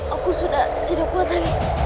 aku sudah hidup kuat lagi